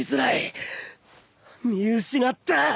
見失った！